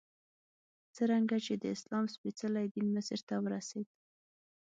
څرنګه چې د اسلام سپېڅلی دین مصر ته ورسېد.